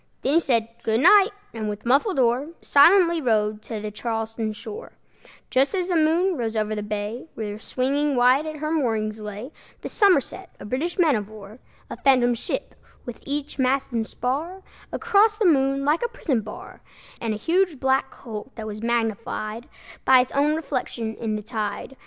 Then he said, "Good night!" and with muffled oar Silently rowed to the Charlestown shore, Just as the moon rose over the bay, Where swinging wide at her moorings lay The Somerset, British man of war; A phantom ship, with each mast and spar Across the moon like a prison bar, And a huge black hulk, that was magnified By its own reflection in the tide.